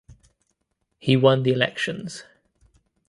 He won the elections.